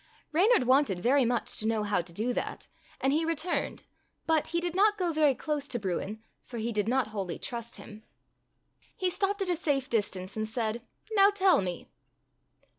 Reynard wanted very much to know how to do that, and he returned, but he did not go very close to Bruin, for he did not wholly 10 Fairy Tale Foxes trust him. He stopped at a safe distance and said, ''Now tell me."